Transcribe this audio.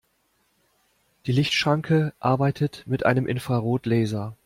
Die Lichtschranke arbeitet mit einem Infrarotlaser.